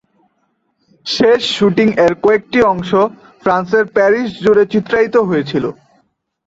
শেষ শুটিং এর কয়েকটি অংশ ফ্রান্সের প্যারিস জুড়ে চিত্রায়িত হয়েছিল।